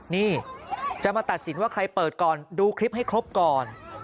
นี่จะมาตัดสินว่าใครเปิดก่อนดูคลิปให้ครบก่อน